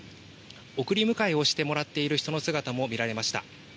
送り迎えをしてもらっている人の姿も見られました。